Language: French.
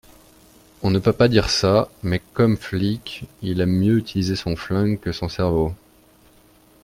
On ne peut pas dire ça, mais comme flic il aime mieux utiliser son flingue que son cerveau